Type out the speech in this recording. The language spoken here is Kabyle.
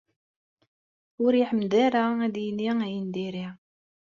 Ur iɛemmed ara ad yini ayen n diri.